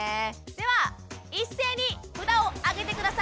では一斉に札をあげて下さい。